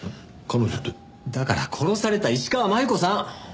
だから殺された石川真悠子さん。